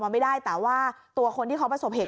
ไม่ได้แต่ว่าตัวคนที่ฝ่าผสมเหตุ